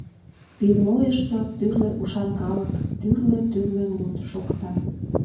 Пивнойышто — тӱрлӧ ушан калык, тӱрлӧ-тӱрлӧ мут шокта.